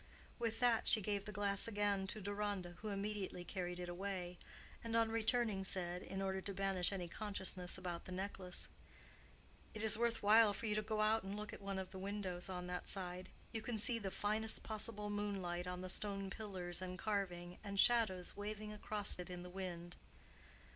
With that she gave the glass again to Deronda, who immediately carried it away, and on returning said, in order to banish any consciousness about the necklace, "It is worth while for you to go and look out at one of the windows on that side. You can see the finest possible moonlight on the stone pillars and carving, and shadows waving across it in the wind."